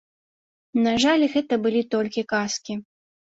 На жаль, гэта былі толькі казкі.